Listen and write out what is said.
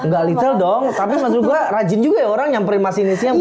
gak detail dong tapi mas juga rajin juga ya orang nyamperin masinisnya